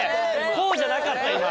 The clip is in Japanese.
こうじゃなかった今。